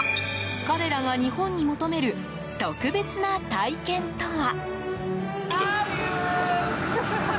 彼らが日本に求める特別な体験とは。